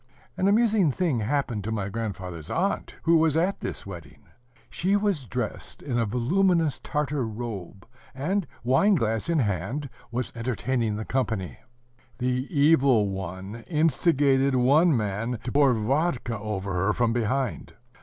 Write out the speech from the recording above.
An amusing thing happened to my grandfather's aunt, who was at this wedding. She was dressed in a voluminous Tartar robe, and, wine glass in hand, was entertaining the company. The Evil One instigated one man to pour vodka over her from behind.